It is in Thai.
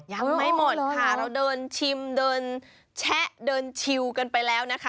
ยังไม่หมดค่ะเราเดินชิมเดินแชะเดินชิวกันไปแล้วนะคะ